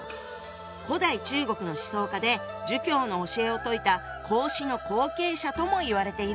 古代中国の思想家で儒教の教えを説いた孔子の後継者ともいわれているよね。